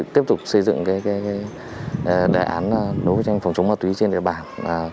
tiếp tục xây dựng đề án đấu tranh phòng chống ma túy trên địa bàn